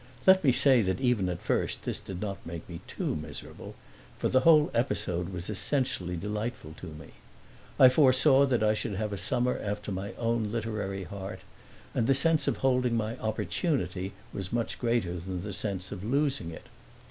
Let me say that even at first this did not make me too miserable, for the whole episode was essentially delightful to me. I foresaw that I should have a summer after my own literary heart, and the sense of holding my opportunity was much greater than the sense of losing it.